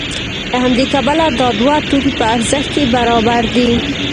له همدې کبله دا دوه توکي په ارزښت کې برابر دي